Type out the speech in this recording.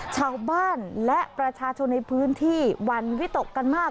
ชาวบ้านและประชาชนในพื้นที่หวั่นวิตกกันมาก